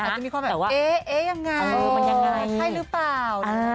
จะมีความแบบว่าเอ๊ะยังไงมันยังไงใช่หรือเปล่า